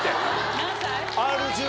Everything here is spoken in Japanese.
何歳？